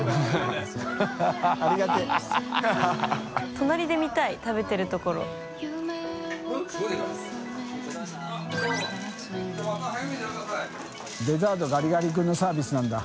隣で見たい食べてるところ妊供璽ガリガリ君のサービスなんだ。